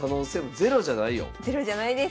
ゼロじゃないです。